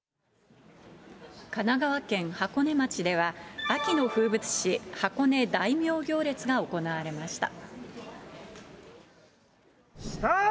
神奈川県箱根町では、秋の風物詩、箱根大名行列が行われました。